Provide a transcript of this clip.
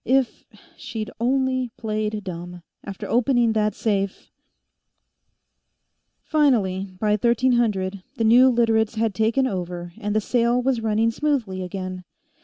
If she'd only played dumb, after opening that safe Finally, by 1300, the new Literates had taken over, and the sale was running smoothly again.